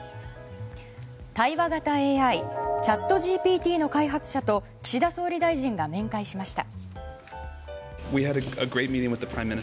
対話型ＡＩチャットＧＰＴの開発者と岸田総理大臣が面会しました。